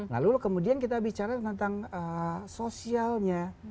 lalu kemudian kita bicara tentang sosialnya